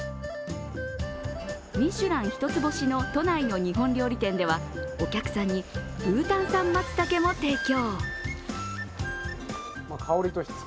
ミシュラン一つ星の都内の日本料理店ではお客さんにブータン産まつたけも提供。